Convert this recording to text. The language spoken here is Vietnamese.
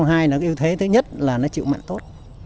g hai là cái ưu thế thứ nhất là nó chịu mặn tốt